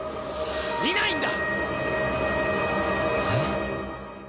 いないんだ！